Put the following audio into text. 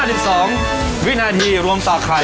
เรียบร้อย๕๒วินาทีรวมต่อใคร